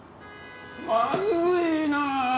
まずいな。